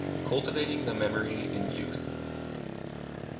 CULTIVATING THE MEMORY IN YOUTH.